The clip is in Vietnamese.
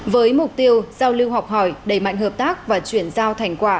với mục tiêu giao lưu học hỏi đầy mạnh hợp tác và chuyển giao thành quả